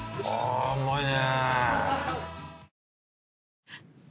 あぁうまいね。